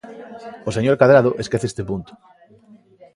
O señor Cadrado esquece este punto.